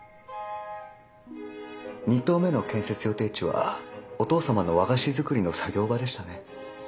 ２棟目の建設予定地はお父様の和菓子作りの作業場でしたね。